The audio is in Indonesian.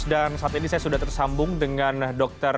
dan saat ini saya sudah tersambung dengan dr m adi pajari